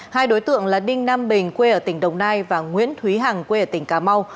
hai đối tượng là đinh nam bình quê ở tỉnh đồng nai và nguyễn thúy hằng quê ở tỉnh cà mau